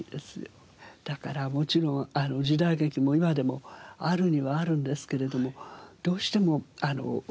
だからもちろん時代劇も今でもあるにはあるんですけれどもどうしても若くなりますでしょ